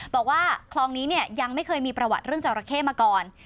บอกว่าคลองนี้เนี่ยยังไม่เคยมีประวัติเรื่องจราเข้มาก่อน